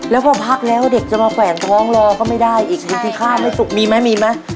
แล้วพอพักแล้วเด็กจะมาแกว่งท้องรอก็ไม่ได้อีกครึ่งที่ข้าวไม่ถูกมีมั้ยมีมั้ย